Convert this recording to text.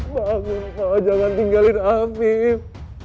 ya ampun pak jangan tinggalin amir